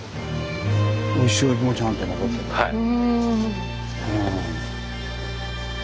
はい。